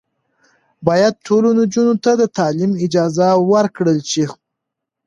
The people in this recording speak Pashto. باید ټولو نجونو ته د تعلیم اجازه ورکړل شي.